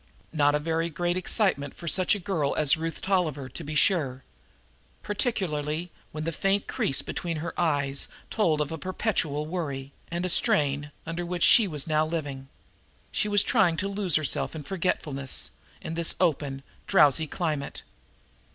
Not a very great excitement for such a girl as Ruth Tolliver, to be sure. Particularly when the faint crease between her eyes told of a perpetual worry and a strain under which she was now living. She was trying to lose herself in forgetfulness, in this open, drowsy climate.